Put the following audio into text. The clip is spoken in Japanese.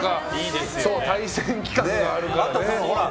対戦企画があるからね。